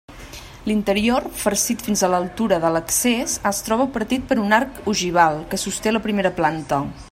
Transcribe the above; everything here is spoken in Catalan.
L'interior, farcit fins a l'altura de l'accés, es troba partit per un arc ogival que sosté la primera planta.